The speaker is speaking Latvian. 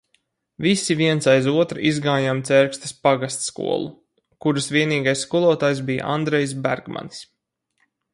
Visi viens aiz otra izgājām Cērkstes pagastskolu, kuras vienīgais skolotājs bija Andrejs Bergmanis.